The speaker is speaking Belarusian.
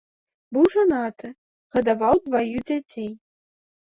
Быў жанаты, гадаваў дваіх дзяцей.